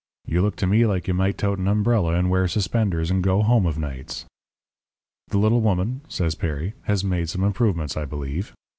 You look to me like you might tote an umbrella and wear suspenders, and go home of nights.' "'The little woman,' says Perry, 'has made some improvements, I believe.